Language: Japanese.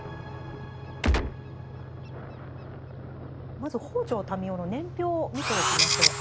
まず北條民雄の年表を見ておきましょうか。